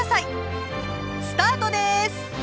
スタートです。